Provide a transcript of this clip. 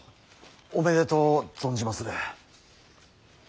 おめでとう存じまする。